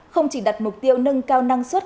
không chỉ đặt mục tiêu nâng cao năng suất